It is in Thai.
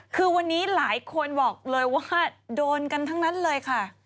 คือวันนี้หลายคนบอกเลยว่าโดนกันทั้งนั้นเลยค่ะ